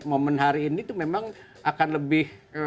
momen hari ini tuh memang akan lebih